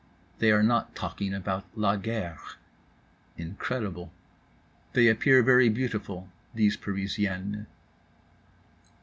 They are not talking about La Guerre. Incredible. They appear very beautiful, these Parisiennes.